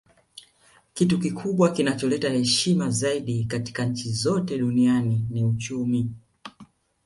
Kitu kikubwa kinacholeta heshima zaidi katika nchi zote duniani ni uchumi